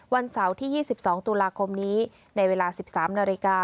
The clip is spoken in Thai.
วันเสาร์ที่๒๒ตุลาคมนี้ในเวลา๑๓นาฬิกา